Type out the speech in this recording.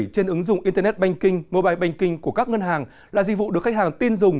trên ứng dụng internet banking mobile banking của các ngân hàng là dịch vụ được khách hàng tin dùng